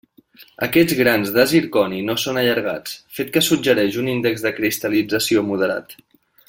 Aquests grans de zirconi no són allargats, fet que suggereix un índex de cristal·lització moderat.